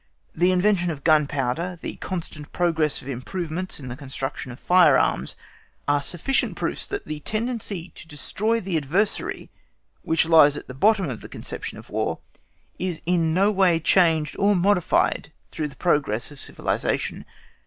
The invention of gunpowder, the constant progress of improvements in the construction of firearms, are sufficient proofs that the tendency to destroy the adversary which lies at the bottom of the conception of War is in no way changed or modified through the progress of civilisation.